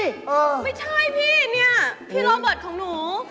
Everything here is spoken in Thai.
ไม่ใช่พี่เนี่ยพี่โรเบิร์ตของหนู